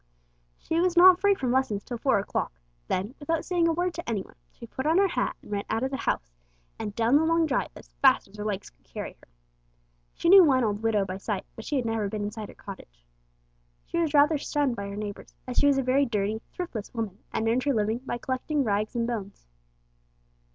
She was not free from lessons till four o'clock. Then, without saying a word to any one, she put on her hat and ran out of the house and down the long drive as fast as her legs could carry her. She knew one old widow by sight, but she had never been inside her cottage. She was rather shunned by her neighbours, as she was a very dirty, thriftless woman, and earned her living by collecting rags and bones.